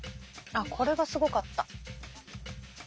あっこれがすごかった。